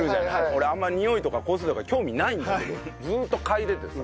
俺あんまり匂いとか香水とか興味ないんだけどずーっと嗅いでてさ。